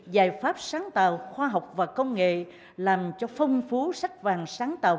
giải pháp sáng tạo khoa học và công nghệ làm cho phong phú sách vàng sáng tạo